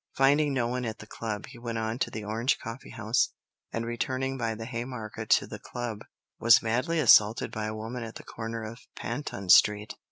Finding no one at the club, he went on to the Orange coffee house, and returning by the Haymarket to the club, was madly assaulted by a woman at the corner of Panton Street.